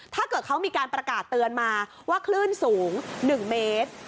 ถ้าเกิดเขามีการประกาศเตือนมาว่าคลื่นสูง๑เมตร